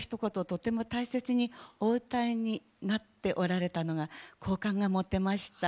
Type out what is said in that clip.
とても大切にお歌いになっておられたのが好感が持てました。